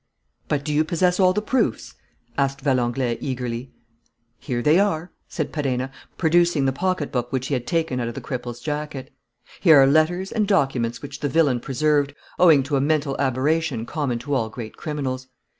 "But do you possess all the proofs?" asked Valenglay eagerly. "Here they are," said Perenna, producing the pocket book which he had taken out of the cripple's jacket. "Here are letters and documents which the villain preserved, owing to a mental aberration common to all great criminals.